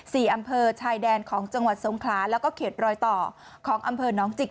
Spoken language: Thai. อำเภอชายแดนของจังหวัดสงขลาแล้วก็เขตรอยต่อของอำเภอน้องจิก